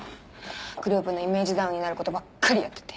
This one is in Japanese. グループのイメージダウンになることばっかりやってて。